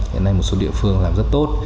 hiện nay một số địa phương làm rất tốt